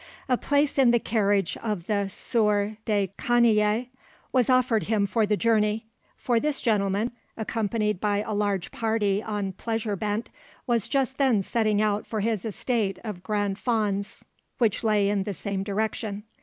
A place in the carriage of the Sieur de Canaye was offered him for the journey; for this gentleman, accompanied by a large party on pleasure bent, was just then setting out for his estate of Grand Fonds, which lay in the same direction.